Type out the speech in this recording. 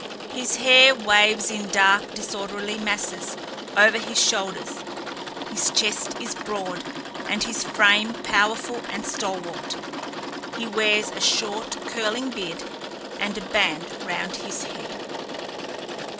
His hair waves in dark, disorderly masses over his shoulders; his chest is broad, and his frame powerful and stalwart; he wears a short, curling beard, and a band round his head.